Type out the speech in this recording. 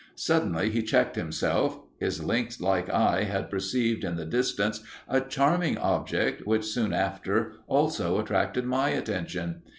Suddenly he checked himself; his lynx like eye had perceived in the distance a charming object, which soon after also attracted my attention.